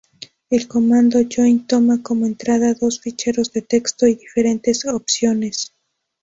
El comando join toma como entrada dos ficheros de texto y diferentes opciones.